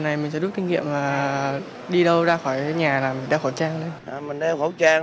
này mình sẽ rút kinh nghiệm là đi đâu ra khỏi nhà là mình đeo khẩu trang đấy mình đeo khẩu trang